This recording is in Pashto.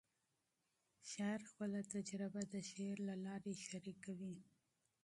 شاعر خپل تجربه د شعر له لارې شریکوي.